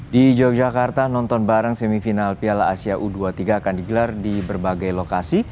di yogyakarta nonton bareng semifinal piala asia u dua puluh tiga akan digelar di berbagai lokasi